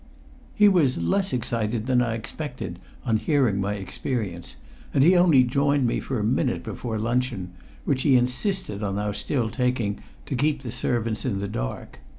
He was less excited than I expected on hearing my experience; and he only joined me for a minute before luncheon, which he insisted on our still taking, to keep the servants in the dark.